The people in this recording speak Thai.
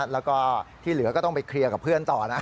แล้วก็ที่เหลือก็ต้องไปเคลียร์กับเพื่อนต่อนะ